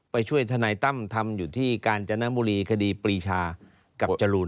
ไปช่วยทนายตั้มทำอยู่ที่กาญจนบุรีคดีปรีชากับจรูน